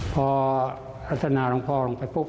พอพัฒนาหลวงพ่อลงไปปุ๊บ